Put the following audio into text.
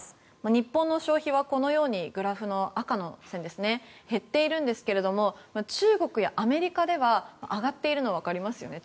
日本の消費は赤のグラフのように減っているんですけれど中国やアメリカでは上がっているのがわかりますよね。